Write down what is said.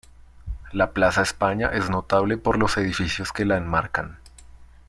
La plaza España es notable por los edificios que la enmarcan.